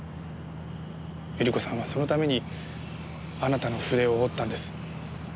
百合子さんはそのためにあなたの筆を折ったんです。